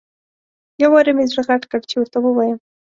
یو وارې مې زړه غټ کړ چې ورته ووایم.